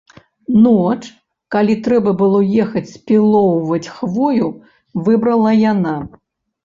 Ноч, калі трэба было ехаць спілоўваць хвою, выбрала яна.